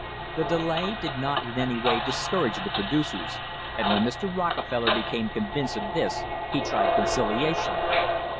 The delay did not in any way discourage the producers, and when Mr. Rockefeller became convinced of this he tried conciliation.